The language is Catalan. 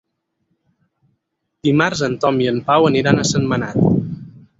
Dimarts en Tom i en Pau aniran a Sentmenat.